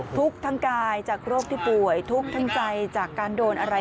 ทุกข์ทั้งกายจากโรคที่ป่วยทุกข์ทั้งใจจากการโดนอะไร